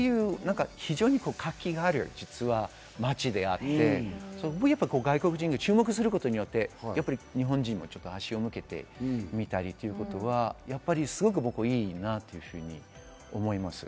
非常に活気がある、実は町であって、外国人が注目することで日本人も足を向けてみたり、すごく僕はいいなと思います。